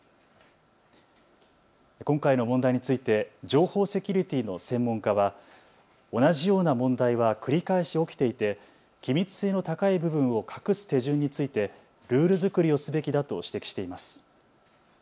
今回の問題について情報セキュリティーの専門家は同じような問題は繰り返し起きていて機密性の高い部分を隠す手順についてルール作りをすべきだと指摘しています。